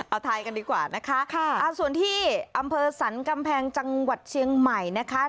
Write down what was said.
เอาทายกันดีกว่านะคะส่วนที่อำเภอสรรกำแพงจังหวัดเชียงใหม่นะคะ